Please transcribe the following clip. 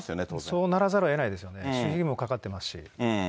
そうならざるをえないですよね、守秘義務もかかってますし。